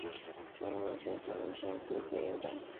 声优为宣传片之配音版。